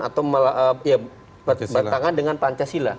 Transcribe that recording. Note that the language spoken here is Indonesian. atau bertentangan dengan pancasila